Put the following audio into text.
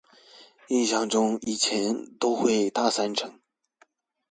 印象中以前都會大三成